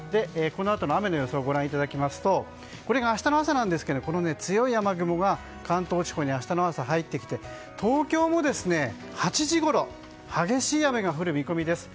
このあとの雨の予想をご覧いただきますとこれが明日の朝ですが強い雨雲が関東地方に明日の朝入ってきて東京も８時ごろ激しい雨が降る見込みです。